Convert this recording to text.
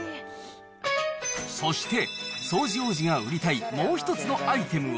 そして掃除王子が売りたいもう一つのアイテムは。